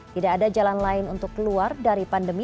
tidak ada jalan lain untuk keluar dari pandemi